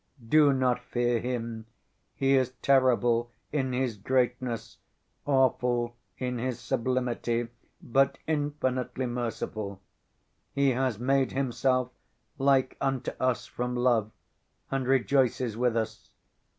"Do not fear Him. He is terrible in His greatness, awful in His sublimity, but infinitely merciful. He has made Himself like unto us from love and rejoices with us.